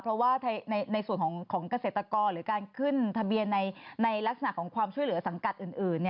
เพราะว่าในส่วนของเกษตรกรหรือการขึ้นทะเบียนในลักษณะของความช่วยเหลือสังกัดอื่น